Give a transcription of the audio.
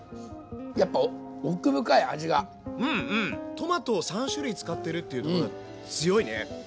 トマトを３種類使ってるっていうのこれ強いね。